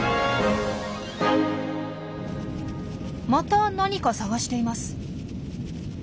また何か探しています。